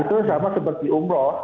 itu sama seperti umroh